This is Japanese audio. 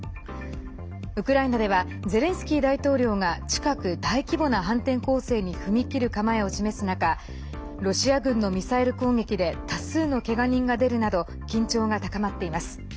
ウクライナではゼレンスキー大統領が近く大規模な反転攻勢に踏み切る構えを示す中ロシア軍のミサイル攻撃で多数のけが人が出るなど緊張が高まっています。